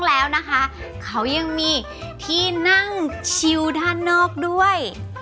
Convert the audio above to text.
แล้วนะคะเขายังมีที่นั่งชิวด้านนอกด้วย